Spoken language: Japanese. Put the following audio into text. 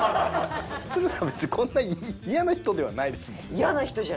つるさん別にこんなイヤな人ではないですもんね。